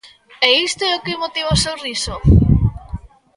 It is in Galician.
¿É isto o que motiva o seu riso?